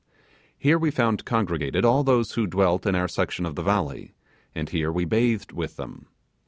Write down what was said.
Here we found congregated all those who dwelt in our section of the valley; and here we bathed with them.